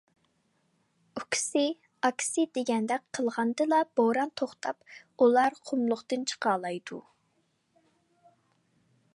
ئۇكىسى ئاكىسى دېگەندەك قىلغاندىلا بوران توختاپ ئۇلار قۇملۇقتىن چىقالايدۇ.